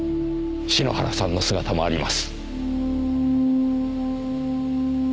篠原さんの姿もあります。